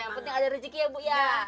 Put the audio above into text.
yang penting ada rezeki ya bu ya